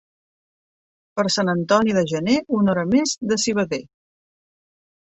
Per Sant Antoni de gener, una hora més de civader.